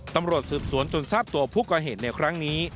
ตำรวจสืบสวนจนทราบตัวผู้ก่อเหตุในครั้งนี้